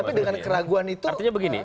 tapi dengan keraguan itu artinya begini